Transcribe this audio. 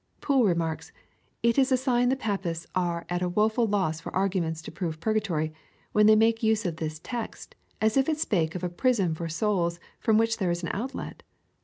Poole remarks, " It is a sign the Papists are at a woeful loss for arguments to prove purgatory, when they make use of this text, as if it spake of a prison for souls, from which there is an outlet."